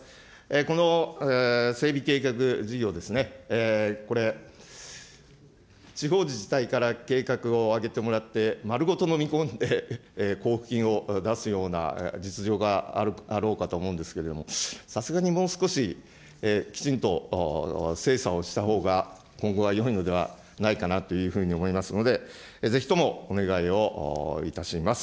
この整備計画事業ですね、これ、地方自治体から計画をあげてもらって、丸ごとのみ込んで、交付金を出すような実情があろうかと思うんですけれども、さすがにもう少し、きちんと精査をしたほうが今後はよいのではないかなというふうに思いますので、ぜひともお願いをいたします。